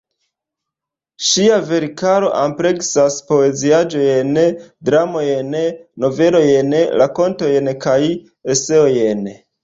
Ŝia verkaro ampleksas poeziaĵojn, dramojn, novelojn, rakontojn kaj eseojn.